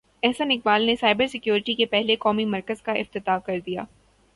احسن اقبال نے cyber security کے پہلے قومی مرکز کا افتتاح کر دیا